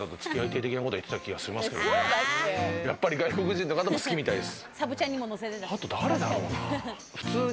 やっぱり外国人のほうが好きみたいです。